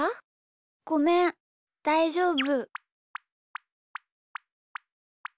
ごめんだいじょうぶ。